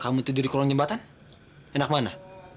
kamu tidur di kolong jembatan enak mana